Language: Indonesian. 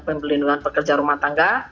pembelindungan pekerja rumah tangga